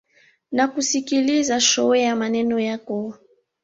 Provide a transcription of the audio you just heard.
Nakusikiliza chowea maneno yako.